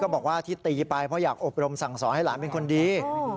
บอกว่าที่ตีไปเพราะอยากอบรมสั่งสอนให้หลานเป็นคนดี